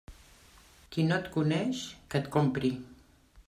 Qui no et coneix, que et compri.